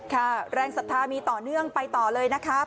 แรงศรัทธามีต่อเนื่องไปต่อเลยนะครับ